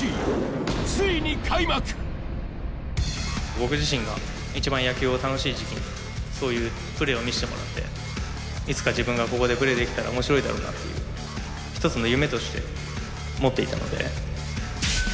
僕自身が一番野球が楽しい時期にそういうプレーを見せてもらっていつか自分がここでプレーできたら面白いだろうなと一つの夢として持っていたので。